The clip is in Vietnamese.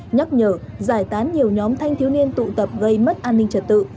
nhắc nhở giải tán nhiều nhóm thanh thiếu niên tụ tập gây mất an ninh trật tự